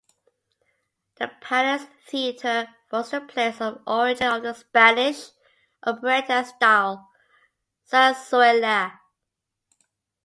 The palace theatre was the place of origin of the Spanish operetta style, "zarzuela".